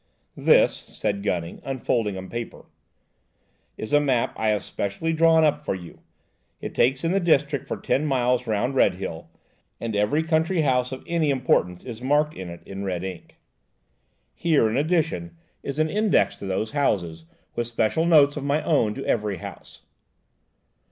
."This," said Gunning, unfolding a paper, "is a map I have specially drawn up for you–it takes in the district for ten miles round Redhill, and every country house of any importance is marked with it in red ink. Here, in addition, is an index to those houses, with special notes of my own to every house."